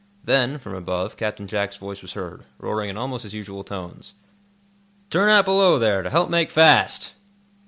Then, from above, Captain Jack's voice was heard, roaring in almost his usual tones: "Turn out below, there, to help make fast!"